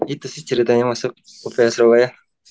itu sih ceritanya masuk uph surabaya